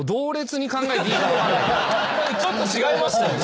ちょっと違いましたよね。